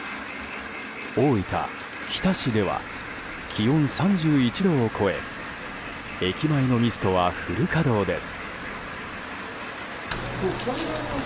大分・日田市では気温３１度を超え駅前のミストはフル稼働です。